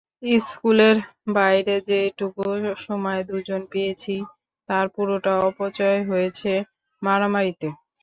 স্কুলের বাইরে যেটুকু সময় দুজন পেয়েছি, তার পুরোটা অপচয় হয়েছে মারামারিতে।